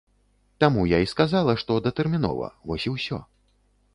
Таму я і сказала, што датэрмінова, вось і ўсё.